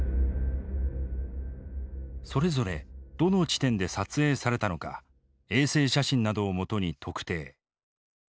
それぞれどの地点で撮影されたのか衛星写真などをもとに特定。